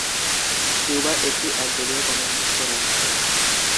Cuba একটি একদলীয় communist রাষ্ট্র।